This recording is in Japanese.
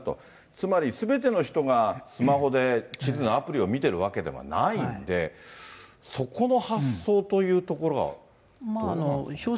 つまり、すべての人がスマホで地図のアプリを見てるわけではないんで、そこの発想というところはどうなんでしょう。